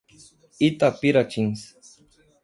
Itapiratins